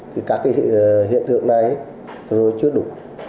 thì các cái hiện thượng này rồi chưa đủ